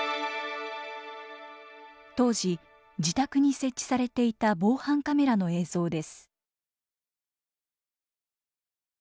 当時自宅に設置されていた防犯カメラの映像です。